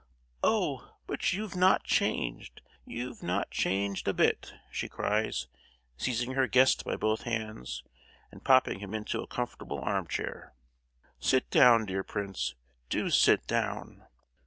"Oh! but you've not changed, you've not changed a bit!" she cries, seizing her guest by both hands, and popping him into a comfortable arm chair. "Sit down, dear Prince, do sit down!